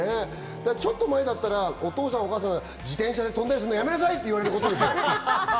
ちょっと前だったらお父さんやお母さん、自転車で飛んだりするのやめなさい！っていうでしょ。